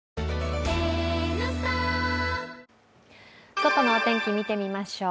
外のお天気、見てみましょう。